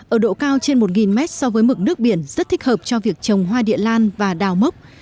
ở độ cao trên một mét so với mực nước biển rất thích hợp cho việc trồng hoa địa lan và đào mốc